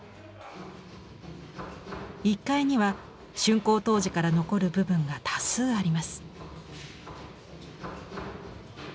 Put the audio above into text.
１階には竣工当時から残る部分が多数あります。